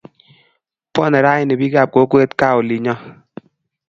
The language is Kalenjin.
Bwone ranii bikaap kokwet gaa olinyo